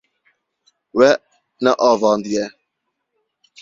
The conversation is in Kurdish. We neavandiye.